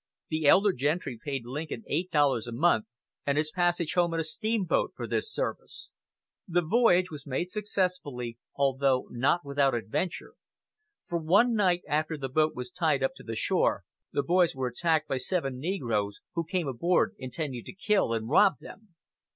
The elder Gentry paid Lincoln eight dollars a month and his passage home on a steamboat for this service. The voyage was made successfully, although not without adventure; for one night, after the boat was tied up to the shore, the boys were attacked by seven negroes, who came aboard intending to kill and rob them.